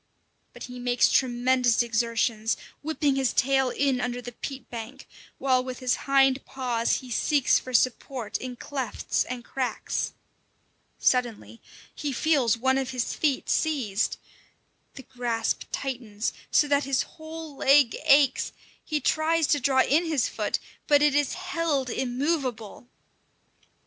But he makes tremendous exertions, whipping his tail in under the peat bank, while with his hind paws he seeks for support in clefts and cracks. Suddenly he feels one of his feet seized. The grasp tightens, so that his whole leg aches; he tries to draw in his foot, but it is held immovable.